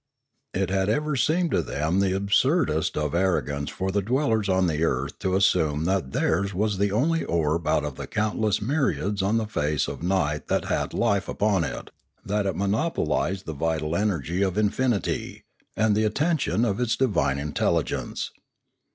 It had ever seemed to them the absurdest of arrogance for the dwellers on the earth to assume that theirs was the only orb out of the countless myriads on the face of night that had life upon it; that it monopolised the vital energy of in finity, and the attention of its divine intelligence.